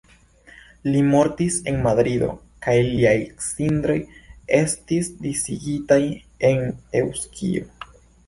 Li mortis en Madrido kaj liaj cindroj estis disigitaj en Eŭskio.